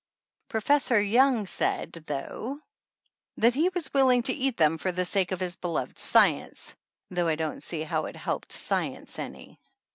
Professor Young said though he was willing to eat them for the sake of his be loved science, though I don't see how it helped science any.